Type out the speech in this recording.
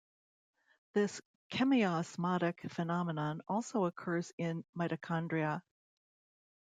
This chemiosmotic phenomenon also occurs in mitochondria.